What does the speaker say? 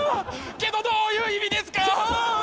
けどどういう意味ですかー！？